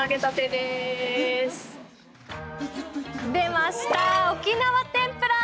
出ました、沖縄天ぷら。